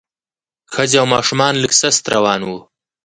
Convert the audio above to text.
ښځې او ماشومان لږ سست روان وو.